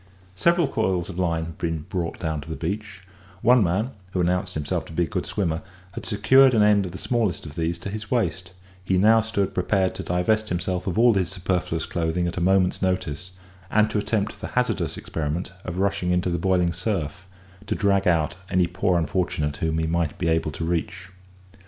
Several coils of line had been brought down to the beach; one man, who announced himself to be a good swimmer, had secured an end of the smallest of these to his waist; he now stood prepared to divest himself of all his superfluous clothing at a moment's notice, and to attempt the hazardous experiment of rushing into the boiling surf, to drag out any poor unfortunate whom he might be able to reach.